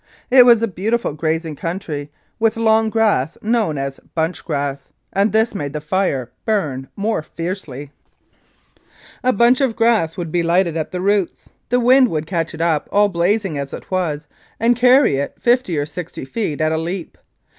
It was a beautiful grazing country with long grass known as " bunch grass," and this made the fire burn more fiercely. 299 Mounted Police Life in Canada A bunch of grass would be lighted at the roots, the wind would catch it up all blazing as it was and carry it 50 and 60 feet at a leap.